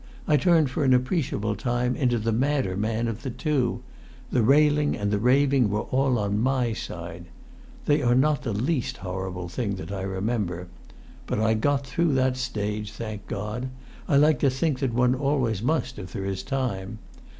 I turned for an appreciable time into the madder man of the two; the railing and the raving were all on my side. They are not the least horrible thing that I remember. But I got through that stage, thank God! I like to think that one always must if there is time.